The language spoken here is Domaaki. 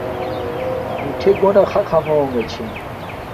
مِٹھݺ گَنَݳ خَخَم ہݸݣݺ چھݺ.